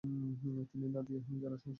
তিনি নদিয়া জেলার সাংসদ ছিলেন।